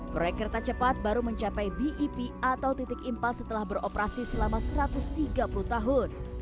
proyek kereta cepat baru mencapai bep atau titik impas setelah beroperasi selama satu ratus tiga puluh tahun